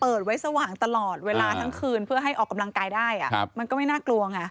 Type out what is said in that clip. เปิดไว้สว่างตลอดเวลาทั้งคืนเพื่อให้ออกกำลังกายได้มันก็ไม่น่ากลัวไง